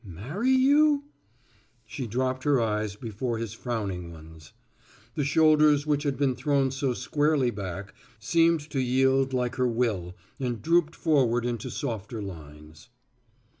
"Marry you?" She dropped her eyes before his frowning ones. The shoulders which had been thrown so squarely back seemed to yield like her will and drooped forward into softer lines.